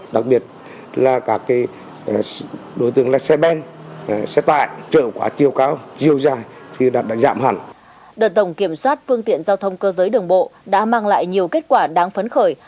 đợt tổng kiểm soát phương tiện giao thông cơ giới đường bộ đã mang lại nhiều kết quả đáng phấn khởi